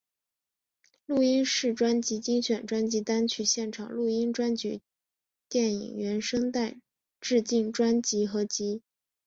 录音室专辑精选专辑单曲现场录音专辑电影原声带致敬专辑合辑